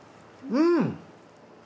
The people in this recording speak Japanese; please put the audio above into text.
うん。